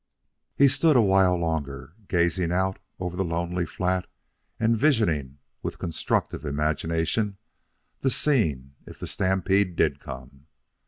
He stood a while longer, gazing out over the lonely flat and visioning with constructive imagination the scene if the stampede did come.